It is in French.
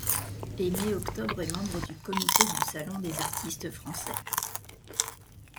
Aimé Octobre est membre du comité du Salon des artistes français.